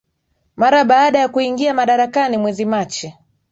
Mara baada ya kuingia madarakani mwezi Machi